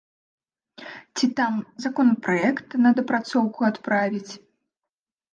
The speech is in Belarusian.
Ці там, законапраект на дапрацоўку адправіць.